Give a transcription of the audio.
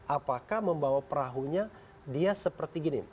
apakah membawa perahunya dia seperti gini